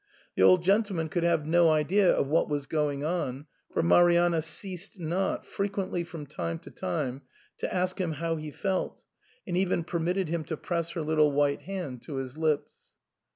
The old gentleman could have no idea of what was going on, for Marianna ceased not, frequently from time to time, to ask him how he felt, and even permitted him to press her little white hand to his lips.